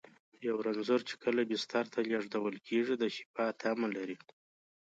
یو رنځور چې کله بستر ته لېږدول کېږي، د شفا تمه لري.